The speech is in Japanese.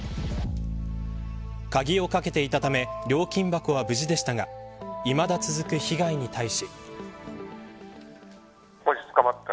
鍵をかけていたため料金箱は無事でしたがいまだ続く被害に対し。